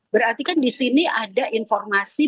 berarti kan di sini ada informasi